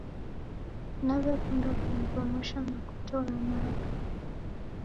Naw'ekunda kumromosha makoto gha madu